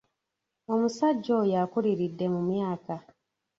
Omusajja oyo akuliridde mu myaka.